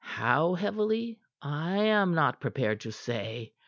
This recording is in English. How heavily I am not prepared to say.